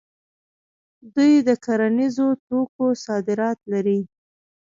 دوی د کرنیزو توکو صادرات لري.